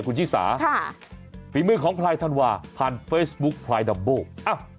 คุณชิสาฝีมือของพลายธันวาผ่านเฟซบุ๊คพลายดัมโบ